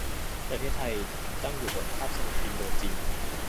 ประเทศไทยตั้งอยู่กลางคาบสมุทรอินโดจีน